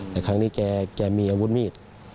ช่างนี้แกมีอาวุธมีด